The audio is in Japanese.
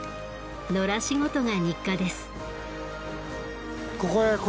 野良仕事が日課です。